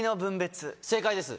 正解です。